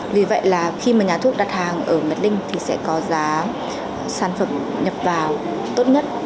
vì vậy là khi mà nhà thuốc đặt hàng ở medlink thì sẽ có giá sản phẩm nhập vào tốt nhất